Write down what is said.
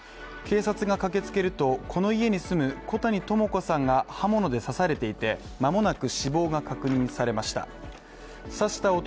警察が駆けつけると、この家に住む小谷朋子さんが刃物で刺されていてまもなく死亡が確認されました。